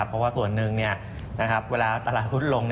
เพราะว่าส่วนหนึ่งเวลาตลาดหุ้นลง